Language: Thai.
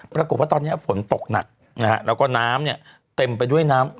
ปรากฏว่าตอนนี้ฝนตกหนักนะฮะแล้วก็น้ำเนี่ยเต็มไปด้วยน้ำ